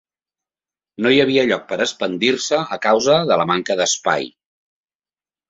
No hi havia lloc per expandir-se a causa de la manca d'espai.